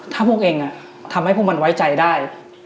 ถ้าพวกเองทำให้พวกมันไว้ใจได้